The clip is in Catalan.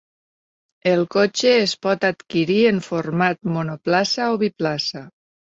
El cotxe es pot adquirir en format monoplaça o biplaça.